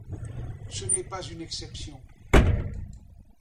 Ce n’est pas une exception.